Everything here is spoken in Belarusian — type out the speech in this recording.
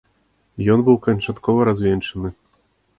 Ён быў канчаткова развенчаны.